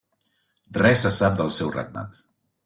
Res se sap del seu regnat.